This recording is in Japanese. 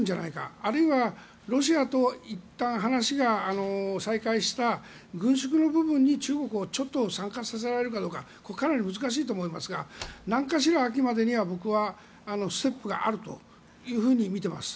あるいはロシアといったん話が再開した軍縮の部分に中国もちょっと参加させられるかかなり難しいと思いますが何かしら、秋までには僕はステップがあるとみています。